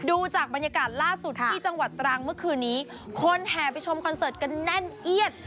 ดูจากบรรยากาศล่าสุดที่จังหวัดตรังเมื่อคืนนี้คนแห่ไปชมคอนเสิร์ตกันแน่นเอียด